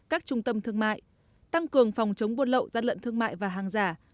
các trung tâm thương mại tăng cường phòng chống buôn lậu gian lận thương mại và hàng giả